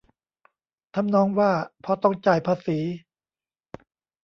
ทำนองว่า พอต้องจ่ายภาษี